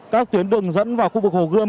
các tuyến đường dẫn vào khu vực hồ gươm